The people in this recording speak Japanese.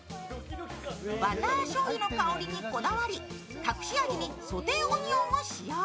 バター醤油の香りにこだわり、隠し味にソテーオニオンを使用。